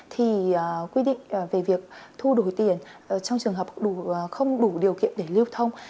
thì quy định về việc thu đổi tiền trong trường hợp không đủ điều kiện để lưu thông